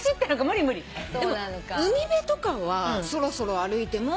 でも海辺とかはそろそろ歩いても。